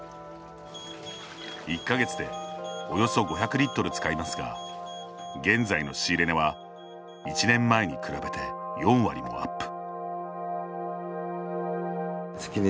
１か月でおよそ５００リットル使いますが現在の仕入れ値は１年前に比べて４割もアップ。